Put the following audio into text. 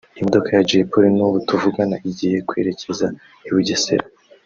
Imodoka ya Jay Polly n’ubu tuvugana igiye kwerekeza i Bugesera